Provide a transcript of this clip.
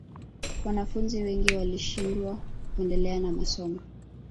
wanafunzi wengi walishindwa kuendelea na masomo